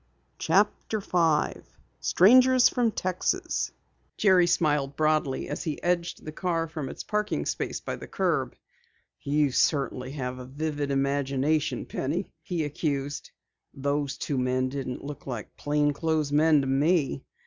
CHAPTER 5 STRANGERS FROM TEXAS Jerry smiled broadly as he edged the car from its parking space by the curb. "You certainly have a vivid imagination, Penny," he accused. "Those two men didn't look like plain clothes men to me.